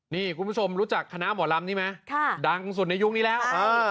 นี่คุณผู้ชมรู้จักคณะหมอลำนี้ไหมดังสุดในยุคนี้แล้ว